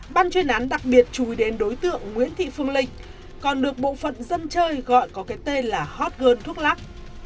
ban chuyên án đặc biệt chùi đến đối tượng nguyễn thị phương linh còn được bộ phận dân chơi gọi có cái tên là hot girl thuốc lắc